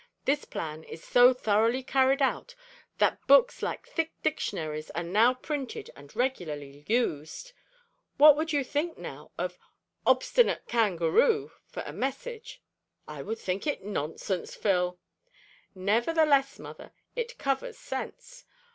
This plan is so thoroughly carried out that books like thick dictionaries are now printed and regularly used. What would you think, now, of `_Obstinate Kangaroo_' for a message?" "I would think it nonsense, Phil." "Nevertheless, mother, it covers sense.